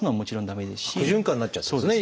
悪循環になっちゃうってことですね